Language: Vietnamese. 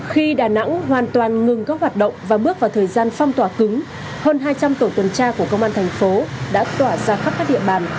khi đà nẵng hoàn toàn ngừng các hoạt động và bước vào thời gian phong tỏa cứng hơn hai trăm linh tổ tuần tra của công an thành phố đã tỏa ra khắp các địa bàn